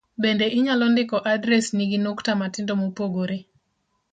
Bende inyalo ndiko adresni gi nukta matindo mopogore